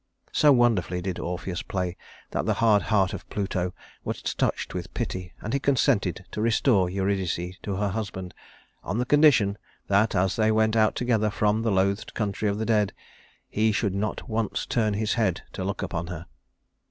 So wonderfully did Orpheus play that the hard heart of Pluto was touched with pity, and he consented to restore Eurydice to her husband on condition that as they went out together from the loathed country of the dead he should not once turn his head to look upon her.